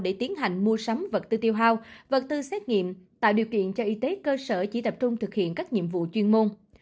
để tiến hành mua sắm vật tư tiêu hao vật tư xét nghiệm tạo điều kiện cho y tế cơ sở chỉ tập trung thực hiện các nhiệm vụ chuyên môn